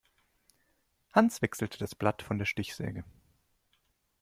Hans wechselte das Blatt von der Stichsäge.